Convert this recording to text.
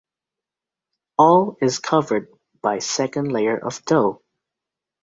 All is covered by second layer of dough.